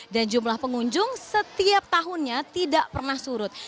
dan jumlah pengunjung setiap tahunnya tidak pernah surut